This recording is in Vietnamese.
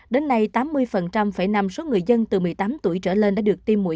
đến nay tám mươi phải năm số người dân từ một mươi tám tuổi trở lên đã được tiêm mũi